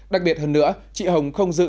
đặc biệt hơn nữa chị hồng không giữ